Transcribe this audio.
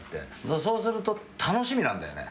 そうすると楽しみなんだよね。